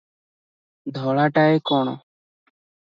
ଧଳାଟାଏ କଣ?